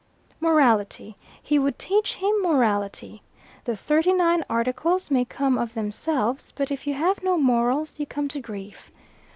"Morality. He would teach him morality. The Thirty Nine Articles may come of themselves, but if you have no morals you come to grief.